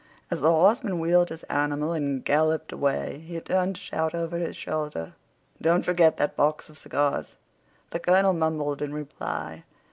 As the horseman wheeled his animal and galloped away he turned to shout over his shoulder, "Don't forget that box of cigars!" The colonel mumbled in reply.